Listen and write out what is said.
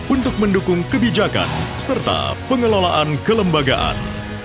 untuk mendukung kebijakan serta pengelolaan kelembagaan